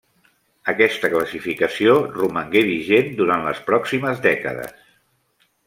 Aquesta classificació romangué vigent durant les pròximes dècades.